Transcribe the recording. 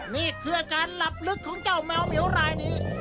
นี่คือการหลับลึกของเจ้าแมวเหมียวรายนี้